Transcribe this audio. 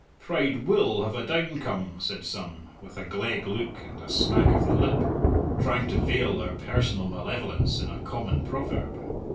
"Pride will have a downcome," said some, with a gleg look and a smack of the lip, trying to veil their personal malevolence in a common proverb.